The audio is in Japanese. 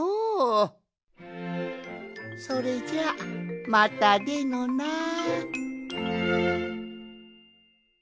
それじゃまたでのなあ。